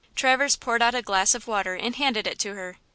Traverse poured out a glass of water and handed it to her.